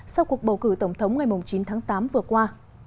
sau cuộc bầu cử tổng thống ngày chín tháng tám vừa qua